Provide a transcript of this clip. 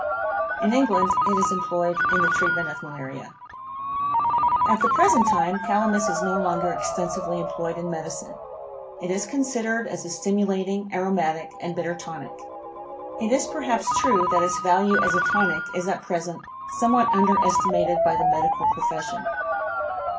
In England it is employed in the treatment of malaria. At the present time Calamus is no longer extensively employed in medicine. It is considered as a stimulating, aromatic and bitter tonic. It is perhaps true that its value as a tonic is at present somewhat underestimated by the medical profession.